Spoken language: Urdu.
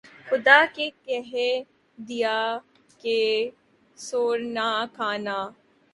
خدا نے کہہ دیا کہ سؤر نہ کھانا